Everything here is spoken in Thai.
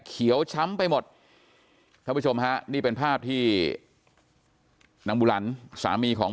เขียวช้ำไปหมดท่านผู้ชมฮะนี่เป็นภาพที่นางบุหลันสามีของ